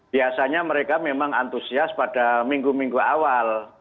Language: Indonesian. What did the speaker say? biasanya mereka memang antusias pada minggu minggu awal